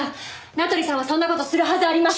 名取さんはそんな事するはずありません。